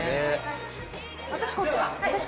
「私こっちか。